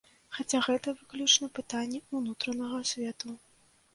Хаця гэта выключна пытанні ўнутранага свету.